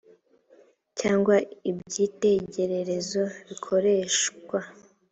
cyangwa ibyitegererezo bikoreshwa